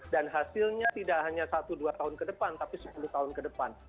dan hasilnya tidak hanya satu dua tahun ke depan tapi sepuluh tahun ke depan